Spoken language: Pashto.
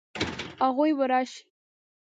هغوی به راشي؟